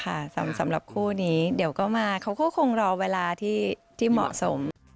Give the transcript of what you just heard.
สำหรับคู่นี้เดี๋ยวก็มาเขาก็คงรอเวลาที่เหมาะสม